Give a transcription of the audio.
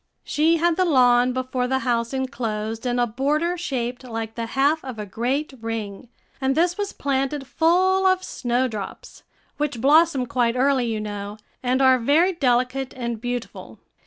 She had the lawn before the house enclosed in a border shaped like the half of a great ring, and this was planted full of snowdrops, which blossom quite early, you know, and are very delicate and beautiful.